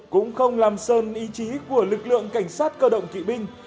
cũng không làm sơn ý chí của lực lượng cảnh sát cơ động kỵ binh